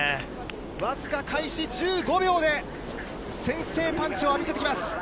僅か開始１５秒で、先制パンチを浴びてきます。